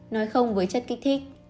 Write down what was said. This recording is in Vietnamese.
nói không với chất kích thích